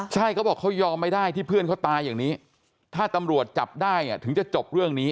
ใช่เขาบอกเขายอมไม่ได้ที่เพื่อนเขาตายอย่างนี้ถ้าตำรวจจับได้เนี่ยถึงจะจบเรื่องนี้